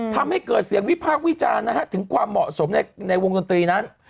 ทำให้เกิดเสียงวิพากษ์วิจารณ์ถึงความเหมาะสมในวงดนตรีนั้น